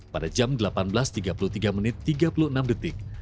pada jam delapan belas tiga puluh tiga menit tiga puluh enam detik